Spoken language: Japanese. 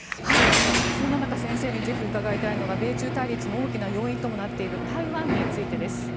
そんな中先生にぜひ伺いたいのは米中対立の大きな要因ともなっている台湾についてです。